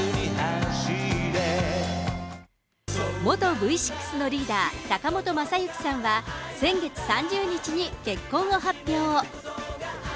元Ｖ６のリーダー、坂本昌行さんは、先月３０日に結婚を発表。